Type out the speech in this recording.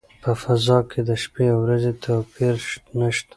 په فضا کې د شپې او ورځې توپیر نشته.